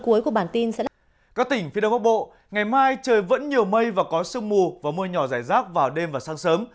các tỉnh phía đông bắc bộ ngày mai trời vẫn nhiều mây và có sương mù và mưa nhỏ rải rác vào đêm và sáng sớm